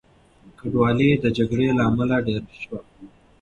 کډوالۍ د جګړې له امله ډېره شوه.